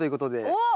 おっ！